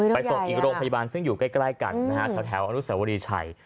ส่งอีกโรงพยาบาลซึ่งอยู่ใกล้กันนะฮะแถวอนุสวรีชัย